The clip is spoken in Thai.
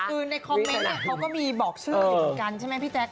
คือในคอมเมนต์เขาก็มีบอกชื่ออยู่เหมือนกันใช่ไหมพี่แจ๊ค